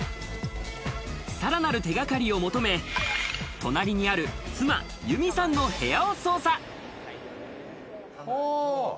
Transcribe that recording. さらなる手がかりを求め、隣にある妻・ゆみさんの部屋を捜査。